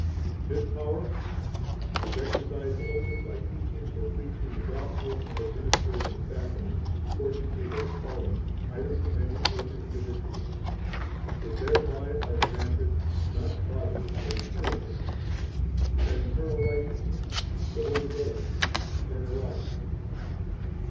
8 This power is exercised only by teaching or preaching the Gospel and administering the Sacraments, according to their calling either to many or to individuals. For thereby are granted, not bodily, but eternal things, as eternal righteousness, the Holy Ghost, eternal life.